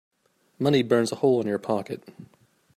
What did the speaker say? Money burns a hole in your pocket.